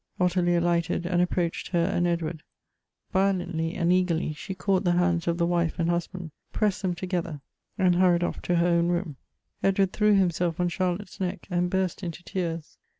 Ottilie alighted, and approached her and Edward. Violently aud eagerly she caught the hands of the wife and husband, pressed them together, and hurried oflF to her own room. Edward 304 Goethe's threw himself on Charlotte's neck and burst into tears.